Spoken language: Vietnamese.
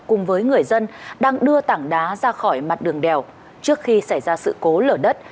cùng với người dân đang đưa tảng đá ra khỏi mặt đường đèo trước khi xảy ra sự cố lở đất